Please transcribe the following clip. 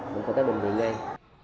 mình có tới bệnh viện ngay